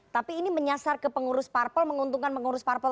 tapi ini menyasar ke pengurus parpel menguntungkan pengurus parpel itu